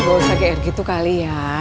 nggak usah kayak gitu kali ya